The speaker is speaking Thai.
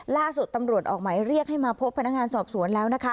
ล่าสุดตำรวจออกหมายเรียกให้มาพบพนักงานสอบสวนแล้วนะคะ